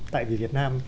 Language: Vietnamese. tại vì việt nam